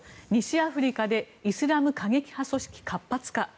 西アフリカでイスラム過激派組織活発化。